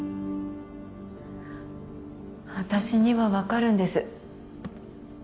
私には分かるんです